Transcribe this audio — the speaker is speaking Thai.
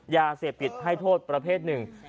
ยาเสพติดให้โทษประเภทหนึ่ง